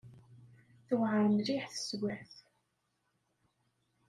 Tewɛer mliḥ teswiɛt.